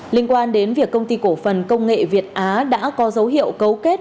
liên quan đến việc công ty cổ phần công nghệ việt á đã có dấu hiệu cấu kết